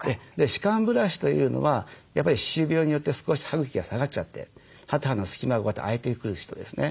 歯間ブラシというのはやっぱり歯周病によって少し歯茎が下がっちゃって歯と歯の隙間がこうやって空いてくる人ですね。